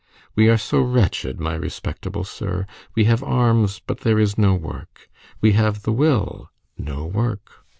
We are so wretched, my respectable sir! We have arms, but there is no work! We have the will, no work!